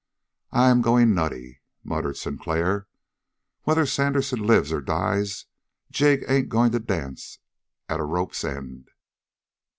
"I am going nutty," muttered Sinclair. "Whether Sandersen lives or dies, Jig ain't going to dance at a rope's end!"